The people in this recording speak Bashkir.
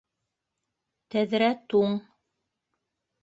Тәҙрә туң.